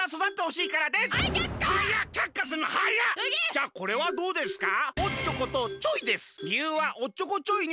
じゃあこれはどうですか？